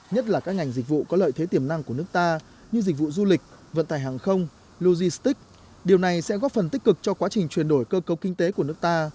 nhất là các ngành dịch vụ có lợi thế tiềm năng của nước ta như dịch vụ du lịch vận tải hàng không logistics điều này sẽ góp phần tích cực cho quá trình chuyển đổi cơ cấu kinh tế của nước ta